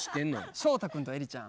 翔太君とエリちゃん